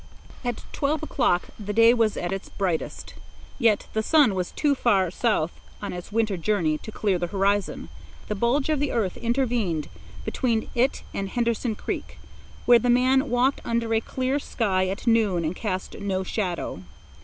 At twelve o'clock the day was at its brightest. Yet the sun was too far south on its winter journey to clear the horizon. The bulge of the earth intervened between it and Henderson Creek, where the man walked under a clear sky at noon and cast no shadow.